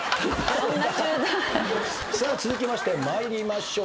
さあ続きまして参りましょう。